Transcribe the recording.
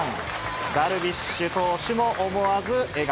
ダルビッシュ投手も思わず笑顔。